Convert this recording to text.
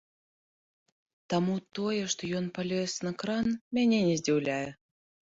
Таму тое, што ён палез на кран, мяне не здзіўляе.